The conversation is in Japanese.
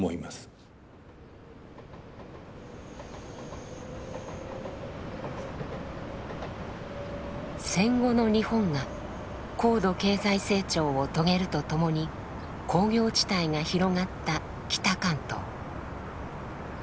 これが一つの戦後の日本が高度経済成長を遂げるとともに工業地帯が広がった北関東。